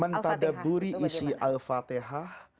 mentadaburi isi al fatihah